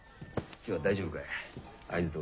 今日は大丈夫かえ？